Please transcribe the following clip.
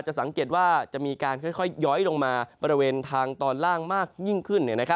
สังเกตว่าจะมีการค่อยย้อยลงมาบริเวณทางตอนล่างมากยิ่งขึ้น